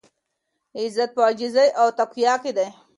عزت په عاجزۍ او تقوا کې دی.